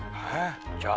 じゃあ。